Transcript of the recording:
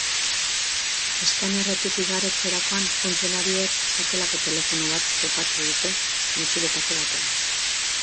Eskanerretik igarotzerakoan funtzionarioek sakelako telefono bat topatu dute motxiletako batean.